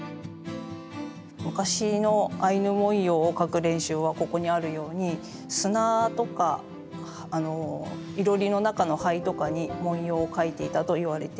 昔のアイヌ文様を描く練習はここにあるように砂とかいろりの中の灰とかに文様を描いていたといわれています。